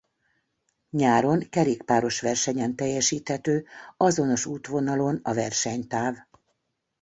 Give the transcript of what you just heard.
Nyáron kerékpáros versenyen teljesíthető azonos útvonalon a versenytáv.